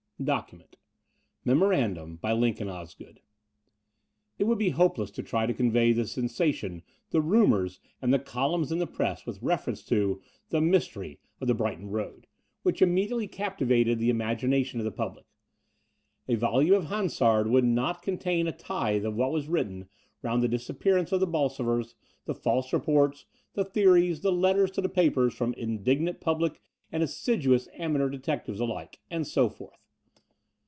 II DOCUMENT Memorandum by Lincoln Osgood It would be hopeless to try to convey the sensa tion, the rumours, and the columns in the press with reference to "The Mystery of the Brighton i8 The Door of the Unreal Road," which immediately captivated the im agination of the public. A volume of Hansard wotdd not contain a tithe of what was written round the disappearance of the Bolsovers, the false reports, the theories, the letters to the papers from indignant public and assiduous amateur detectives alike, and so forth.